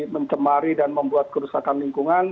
mencemari dan membuat kerusakan lingkungan